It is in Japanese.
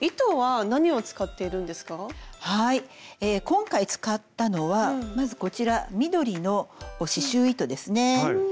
今回使ったのはまずこちら緑の刺しゅう糸ですね。